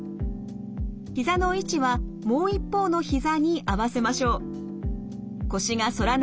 ひざの位置はもう一方のひざに合わせましょう。